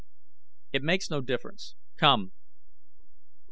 "It makes no difference. Come!"